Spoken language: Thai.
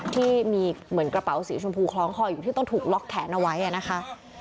ที่มีเหมือนกระเป๋าสีชมพูคล้องคออยู่ที่ต้องถูกล็อกแขนเอาไว้นะคะ